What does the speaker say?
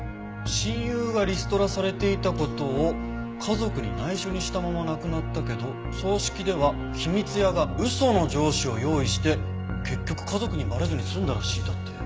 「親友がリストラされていたことを家族に内緒にしたまま亡くなったけど葬式では“秘密屋”が嘘の上司を用意して結局家族にバレずに済んだらしい」だって。